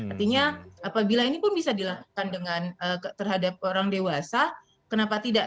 artinya apabila ini pun bisa dilakukan dengan terhadap orang dewasa kenapa tidak